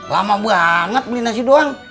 lama banget beli nasi doang